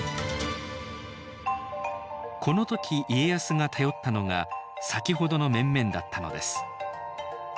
この時家康が頼ったのが先ほどの面々だったのです。